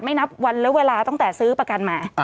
นับวันและเวลาตั้งแต่ซื้อประกันมา